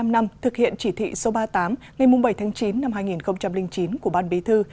một mươi năm năm thực hiện chỉ thị số ba mươi tám ngày bảy tháng chín năm hai nghìn chín của ban bí thư